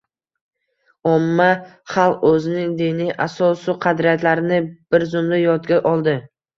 omma xalq o‘zining diniy asos-u qadriyatlarini bir zumda yodga oldi